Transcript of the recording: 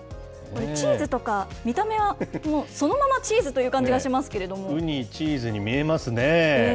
これ、チーズとか、見た目はもうそのままチーズという感じがしまウニ、チーズに見えますね。